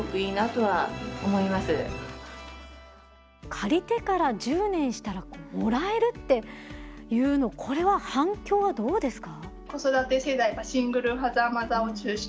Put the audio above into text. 借りてから１０年したらもらえるっていうのこれは反響はどうですか？